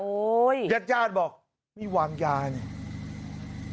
โอ้ยยยญาติญาติบอกไม่วางยาเนี่ย